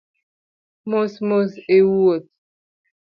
Mos mos e wuoth